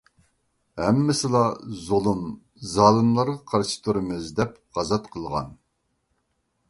ھەممىسىلا زۇلۇم، زالىملارغا قارشى تۇرىمىز دەپ غازات قىلغان.